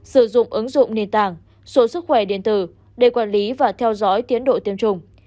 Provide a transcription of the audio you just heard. sử dụng ứng dụng nền tảng số sức khỏe điện tử để quản lý và theo dõi tiến độ tiêm chủng